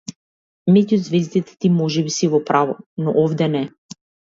Меѓу ѕвездите ти можеби си во право, но овде не.